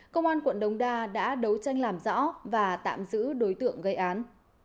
công an quận đống đa đã đấu tranh làm rõ và tạm giữ đối tượng gây án